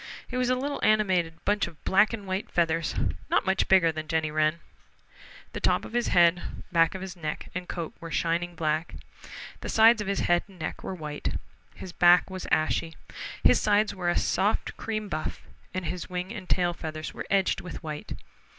He was a little animated bunch of black and white feathers, not much bigger than Jenny Wren. The top of his head, back of his neck and coat were shining black. The sides of his head and neck were white. His back was ashy. His sides were a soft cream buff, and his wing and tail feathers were edged with white.